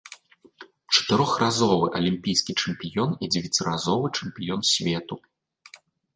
Чатырохразовы алімпійскі чэмпіён і дзевяціразовы чэмпіён свету.